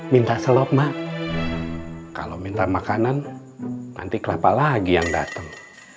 minta selop mbak kalau minta makanan nanti kelapa lagi yang datang